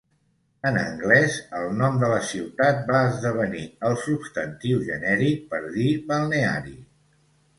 En anglès el nom de la ciutat va esdevenir el substantiu genèric per dir balneari.